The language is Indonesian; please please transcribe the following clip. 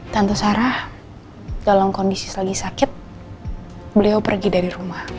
tanto sarah dalam kondisi lagi sakit beliau pergi dari rumah